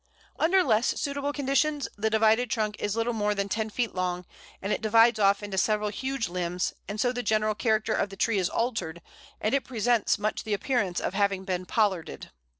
Under less suitable conditions the undivided trunk is little more than ten feet long; then it divides off into several huge limbs, and so the general character of the tree is altered, and it presents much the appearance of having been pollarded.